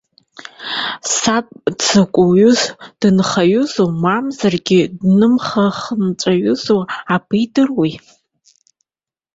Саб дзакә уаҩыз, дынхаҩызу, мамзаргьы днымха-хымҵәазу абаидыруеи.